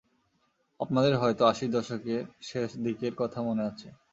আপনাদের হয়তো আশির দশকের শেষ দিকের কথা মনে আছে।